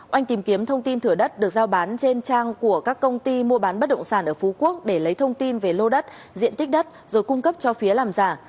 oanh tìm kiếm thông tin thửa đất được giao bán trên trang của các công ty mua bán bất động sản ở phú quốc để lấy thông tin về lô đất diện tích đất rồi cung cấp cho phía làm giả